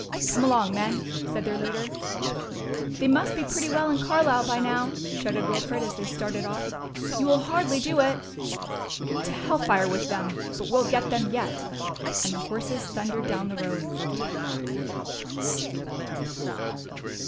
"Come along, men," said their leader. "They must be pretty well in Carlisle by now," shouted Wilfred, as they started off. "You will hardly do it." "To hell fire with them; but we'll get them yet"; and the horses thundered down the road.